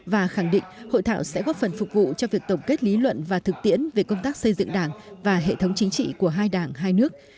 và khẳng định hội thảo sẽ góp phần phục vụ cho việc tổng kết lý luận và thực tiễn về công tác xây dựng đảng và hệ thống chính trị của hai đảng hai nước